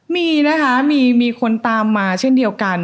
มีนะคะมีคนตามมาเช่นเดียวกัน